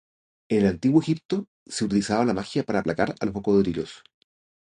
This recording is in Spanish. En el antiguo Egipto se utilizaba la magia para aplacar a los cocodrilos.